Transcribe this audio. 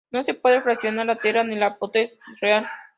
No se puede fraccionar la tierra ni la potestad real".